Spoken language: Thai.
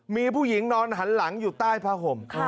มีผู้หญิงนอนหันหลังอยู่ใต้ผ้าห่ม